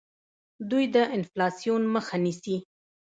دوی د انفلاسیون مخه نیسي.